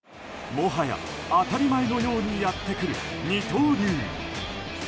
もはや、当たり前のようにやってくる二刀流。